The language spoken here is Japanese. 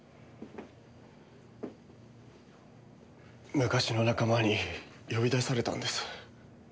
昔の仲間に呼び出されたんです。